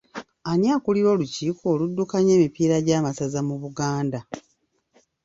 Ani akulira olukiiko oluddukanya emipiira gya masaza mu Buganda?